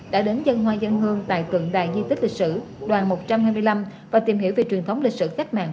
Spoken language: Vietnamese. đã đến dân hoa dân hương tại tượng đài di tích lịch sử đoàn một trăm hai mươi năm và tìm hiểu về truyền thống lịch sử cách mạng